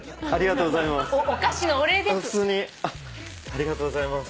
ありがとうございます。